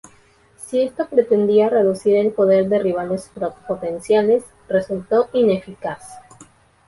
Si esto pretendía reducir el poder de rivales potenciales, resultó ineficaz.